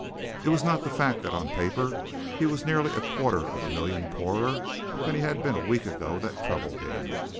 It was not the fact that on paper he was nearly a quarter of a million poorer than he had been a week ago that troubled him.